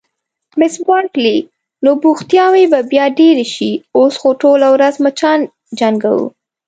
مس بارکلي: نو بوختیاوې به بیا ډېرې شي، اوس خو ټوله ورځ مچان جنګوو.